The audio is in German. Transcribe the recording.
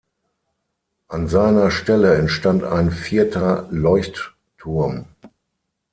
An seiner Stelle entstand ein vierter Leuchtturm.